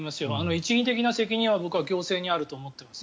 一義的な責任は僕は行政にあると思っています。